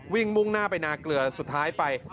มุ่งหน้าไปนาเกลือสุดท้ายไป